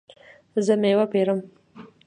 زه میوه پیرم